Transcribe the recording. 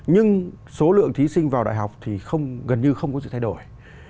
nhưng số lượng thí sinh vào đại học thì không gần như không có sự thay đổi